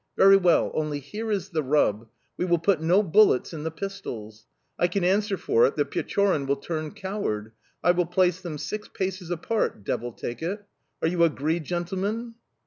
Very well! Only here is the rub; we will put no bullets in the pistols. I can answer for it that Pechorin will turn coward I will place them six paces apart, devil take it! Are you agreed, gentlemen?"